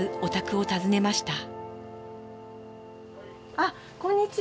あっこんにちは。